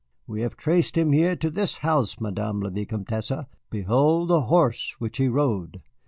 We have traced him here to this house, Madame la Vicomtesse. Behold the horse which he rode!"